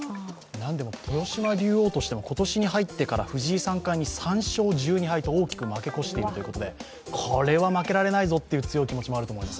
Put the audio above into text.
豊島竜王としても今年に入ってから３勝１２敗と大きく負け越しているということでこれは負けられないぞという強い気持もあると思います。